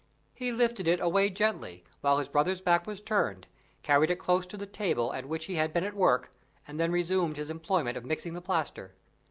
He lifted it away gently, while his brother's back was turned, carried it close to the table at which he had been at work, and then resumed his employment of mixing the plaster.